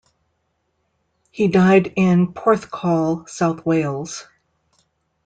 He died in Porthcawl, south Wales.